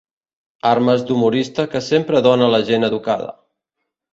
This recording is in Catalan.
Armes d'humorista que sempre dóna la gent educada.